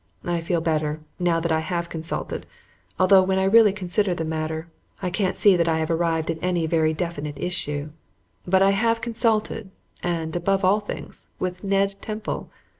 I feel better, now that I have consulted, although, when I really consider the matter, I can't see that I have arrived at any very definite issue. But I have consulted, and, above all things, with Ned Temple!